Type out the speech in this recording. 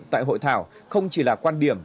tại hội thảo không chỉ là quan điểm